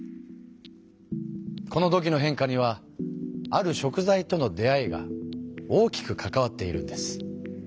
この土器の変化にはある食材との出会いが大きくかかわっているんです。